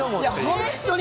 本当に！